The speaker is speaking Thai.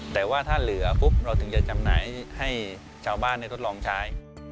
แต่ว่าถ้าเหลือเราถึงจะจำหน่ายให้เจ้าบ้านในรถลองใช้